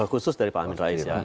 khusus dari pak amin rais ya